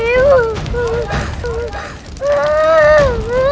ya allah dewa